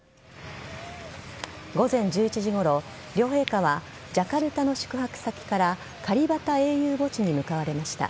午前１１時ごろ、両陛下は、ジャカルタの宿泊先から、カリバタ英雄墓地へ向かわれました。